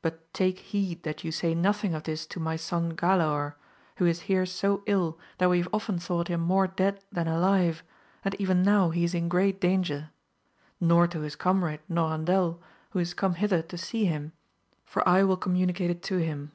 But take heed that you say nothing of this to my son Galaor, who is here so ill that we have often thought him more dead than alive, and even now he is in great danger ; nor to his comrade Norandel who is come hither to see him, for I will communicate it to him.